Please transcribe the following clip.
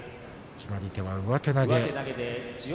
決まり手は上手投げ。